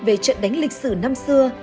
về trận đánh lịch sử năm xưa